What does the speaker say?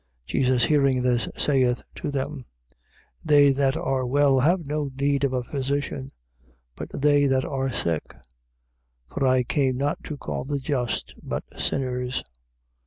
2:17. Jesus hearing this, saith to them: They that are well have no need of a physician, but they that are sick. For I came not to call the just, but sinners.